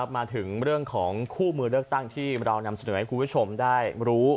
มาถึงเรื่องของคู่มือเลือกตั้งที่เรานำเสนอให้คุณผู้ชมได้รู้